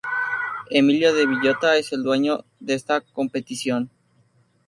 Emilio de Villota es el dueño de esta competición.